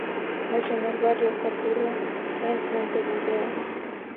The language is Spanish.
Nació en el barrio "Capurro" en Montevideo.